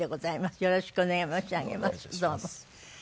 よろしくお願い申し上げます。